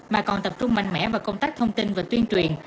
mà còn tập trung mạnh mẽ vào công tác thông tin và tuyên truyền